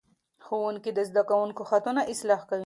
ښوونکي د زده کوونکو خطونه اصلاح کوي.